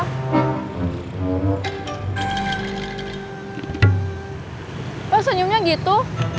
kenapa senyumnya gitu